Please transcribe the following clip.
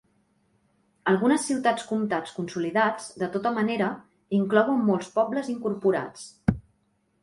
Algunes ciutats-comtats consolidats, de tota manera, inclouen molts pobles incorporats.